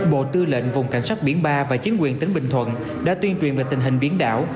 bộ tư lệnh vùng cảnh sát biển ba và chính quyền tỉnh bình thuận đã tuyên truyền về tình hình biển đảo